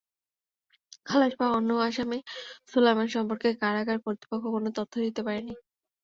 খালাস পাওয়া অন্য আসামি সোলায়মান সম্পর্কে কারাগার কর্তৃপক্ষ কোনো তথ্য দিতে পারেনি।